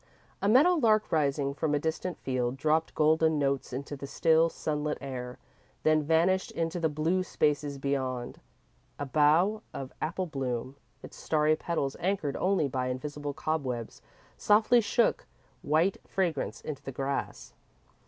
A meadow lark, rising from a distant field, dropped golden notes into the still, sunlit air, then vanished into the blue spaces beyond. A bough of apple bloom, its starry petals anchored only by invisible cobwebs, softly shook white fragrance into the grass.